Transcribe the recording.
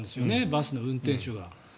バスの運転手が。